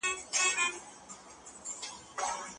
دا دنیا د الله د احسانونو یو بې پایه سمندر دی.